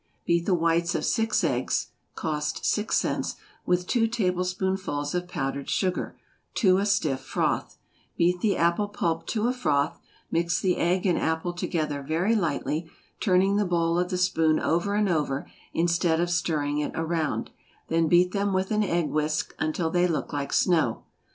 Beat the whites of six eggs, (cost six cents,) with two tablespoonfuls of powdered sugar, to a stiff froth; beat the apple pulp to a froth; mix the egg and apple together very lightly, turning the bowl of the spoon over and over instead of stirring it around; then beat them with an egg whisk until they look like snow.